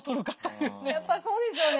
やっぱりそうですよね。